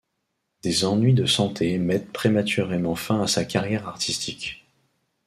Des ennuis de santé mettent prématurément fin à sa carrière artistique.